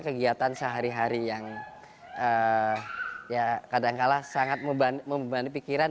kegiatan sehari hari yang ya kadangkala sangat membebani pikiran